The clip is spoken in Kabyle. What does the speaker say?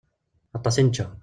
Aṭas i nečča.